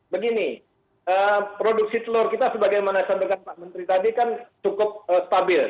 begini produksi telur kita sebagai yang saya sampaikan pak menteri tadi kan cukup stabil